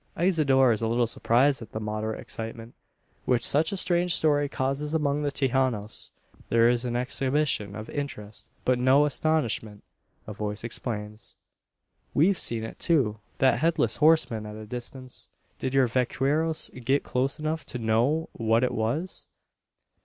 Isidora is a little surprised at the moderate excitement which such a strange story causes among the "Tejanos." There is an exhibition of interest, but no astonishment. A voice explains: "We've seen it too that headless horseman at a distance. Did your vaqueros get close enough to know what it was?"